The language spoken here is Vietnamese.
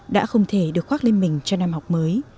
đã không thể được khoác lên mình cho năm học mới